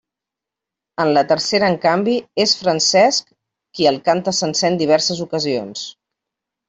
En la tercera, en canvi, és Francesc qui el canta sencer en diverses ocasions.